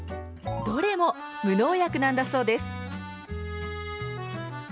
どれも無農薬なんだそうです。